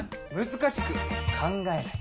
難しく考えない。